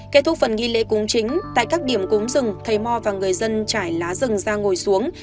kết thúc phần nghi lễ cúng chính tại các điểm cúm rừng thầy mò và người dân trải lá rừng ra ngồi xuống